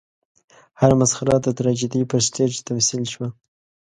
هره مسخره د تراژیدۍ پر سټېج تمثیل شوه.